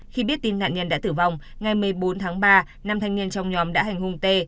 khi biết tin nạn nhân đã tử vong ngày một mươi bốn tháng ba năm thanh niên trong nhóm đã hành hung t